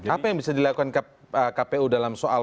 apa yang bisa dilakukan kpu dalam soal